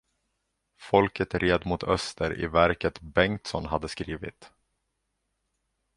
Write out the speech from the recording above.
Folket red mot öster i verket Bengtsson hade skrivit.